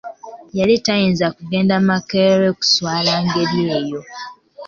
Yali tayinza kugenda makerere kuswala ngeri eyo.